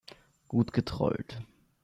Gut getrollt.